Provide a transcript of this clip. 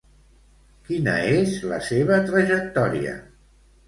Quina és la seva trajectòria?